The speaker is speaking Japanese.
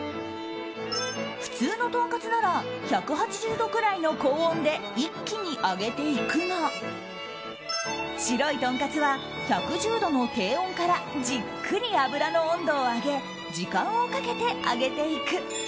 普通のとんかつなら１８０度くらいの高温で一気に揚げていくが白いとんかつは１１０度の低温からじっくり油の温度を上げ時間をかけて揚げていく。